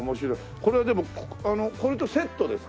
これはでもこれとセットですか？